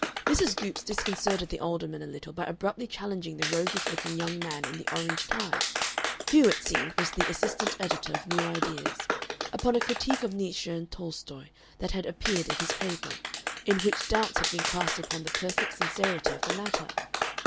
Mrs. Goopes disconcerted the Alderman a little by abruptly challenging the roguish looking young man in the orange tie (who, it seemed, was the assistant editor of New Ideas) upon a critique of Nietzsche and Tolstoy that had appeared in his paper, in which doubts had been cast upon the perfect sincerity of the latter.